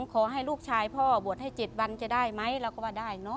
ขอให้ลูกชายพ่อบวชให้๗วันจะได้ไหมเราก็ว่าได้เนอะ